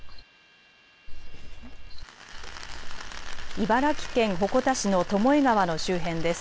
茨城県鉾田市の巴川の周辺です。